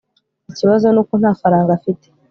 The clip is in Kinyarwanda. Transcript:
ikibazo nuko, nta faranga afite